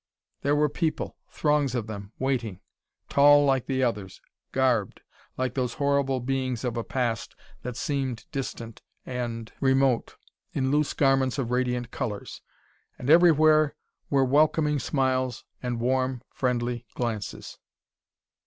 There were people, throngs of them, waiting. Tall like the others, garbed, like those horrible beings of a past that seemed distant and remote, in loose garments of radiant colors. And everywhere were welcoming smiles and warm and friendly glances.